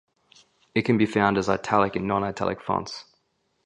It can be found as italic in non-italic fonts.